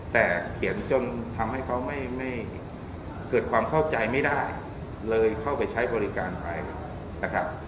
แต่เขียนจนทำให้เขาไม่เกิดความเข้าใจไม่ได้เลยเข้าไปใช้บริการไปนะครับ